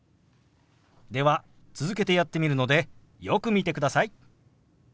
では続けてやってみるのでよく見てください。